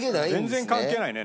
全然関係ないね